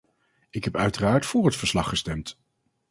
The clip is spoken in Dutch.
Ik heb uiteraard voor het verslag gestemd.